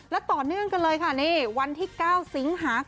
แล้วต่อเนื่องกันเลยค่ะนี่วันที่๙สิงหาคม